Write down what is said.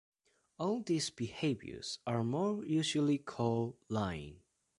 All these behaviors are more usually called lying.